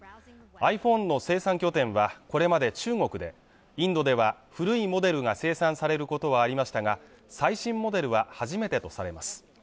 ｉＰｈｏｎｅの生産拠点はこれまで中国でインドでは古いモデルが生産されることはありましたが最新モデルは初めてとされます